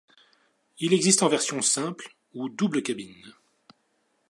Il existe en version simple ou double cabine.